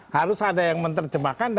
harus ada yang menerjemahkan